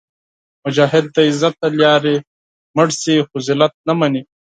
مجاهد د عزت له لارې مړ شي، خو ذلت نه مني.